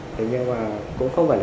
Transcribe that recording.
thế nhưng mà cũng không phải là